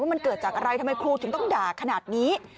มันเกิดจากอะไรทำไมครูถึงต้องด่าขนาดนี้